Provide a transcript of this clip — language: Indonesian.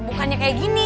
bukannya kayak gini